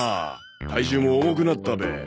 体重も重くなったべ？